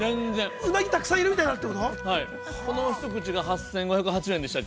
◆うなぎたくさんいるみたいなこと？